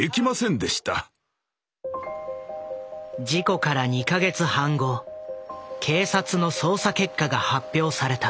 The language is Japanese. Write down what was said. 事故から２か月半後警察の捜査結果が発表された。